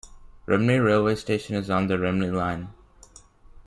Rhymney railway station is on the Rhymney Line.